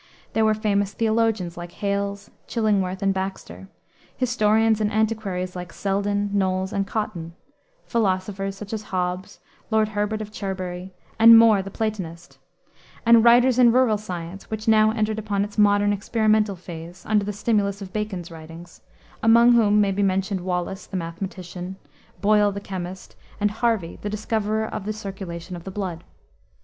There were famous theologians, like Hales, Chillingworth, and Baxter; historians and antiquaries, like Selden, Knolles, and Cotton; philosophers, such as Hobbes, Lord Herbert of Cherbury, and More, the Platonist; and writers in rural science which now entered upon its modern, experimental phase, under the stimulus of Bacon's writings among whom may be mentioned Wallis, the mathematician; Boyle, the chemist, and Harvey, the discoverer of the circulation of the blood.